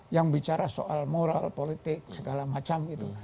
yang bicara soal moral politik segala macam gitu